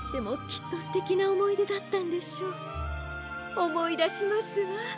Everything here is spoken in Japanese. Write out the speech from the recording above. おもいだしますわ。